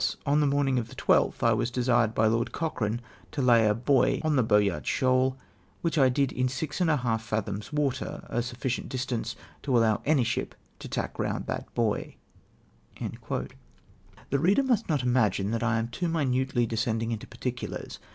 On the morning of the 12th I was desired by Lord Cochrane to lay a buoy on the Boyart Shoal, which I did in six and a half fathoms water, a sufficient distance to allow avy ship to tack round that buoy." The reader must n()t imagine that I am too minutely descending into particulars.